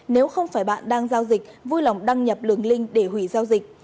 nếu không phải bạn đang giao dịch vui lòng đăng nhập đường link để hủy giao dịch